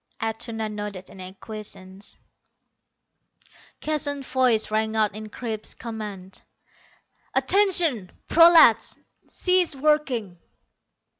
Atuna nodded in acquiescence. Keston's voice rang out in crisp command. "Attention, prolats. Cease working."